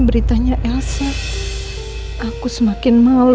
kalau ternyata elsa tanpa penyakit lagi berarti dia akan menyerang kakaknya